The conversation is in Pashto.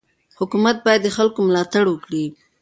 حکومت باید د خلکو ملاتړ وکړي.